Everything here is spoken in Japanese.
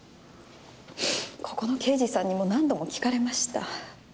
ここの刑事さんにも何度も聞かれました。